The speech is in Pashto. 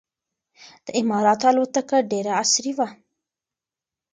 د اماراتو الوتکه ډېره عصري وه.